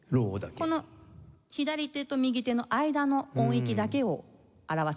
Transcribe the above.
この左手と右手の間の音域だけを表すっていう感じですね。